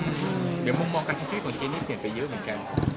เดี๋ยวมุมมองการใช้ชีวิตของเจนี่เปลี่ยนไปเยอะเหมือนกัน